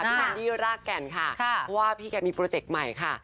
พี่แคนดี้รากแก่นค่ะเพราะว่าพี่แคนดี้มีโปรเจกต์ใหม่ค่ะ